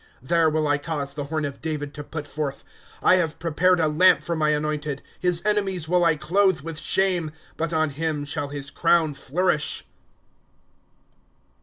" There will I cause the horn of David to put forth ; I have prepared a lamp for my anointed, ^s His enemies will 1 clothe with shame ; But on him shall his crown flourish.